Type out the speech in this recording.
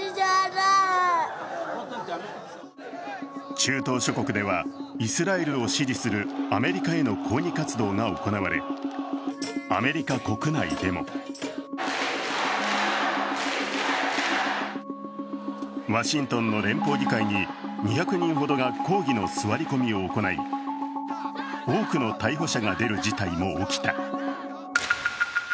中東諸国ではイスラエルを支持するアメリカへの抗議活動が行われアメリカ国内でもワシントンの連邦議会に２００人ほどが抗議の座り込みを行い多くの逮捕者が出る事態も起きた。